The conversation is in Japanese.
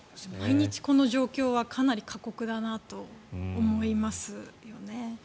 毎日この状況はかなり過酷だなと思いますよね。